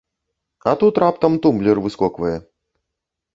А тут раптам тумблер выскоквае.